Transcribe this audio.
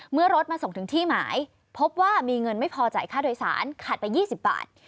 เมื่อรถมาส่งถึงที่หมายพบว่ามีเงินไม่พอจ่ายค่าโดยสารขาดไป๒๐บาท